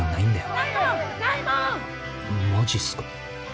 ママジっすか？